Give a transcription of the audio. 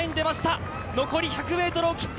残り１００ｍを切った。